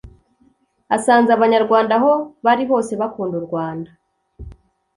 asanze Abanyarwanda aho bari hose bakunda u Rwanda